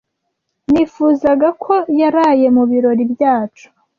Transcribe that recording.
Nifuzaga ko yaraye mu birori byacu.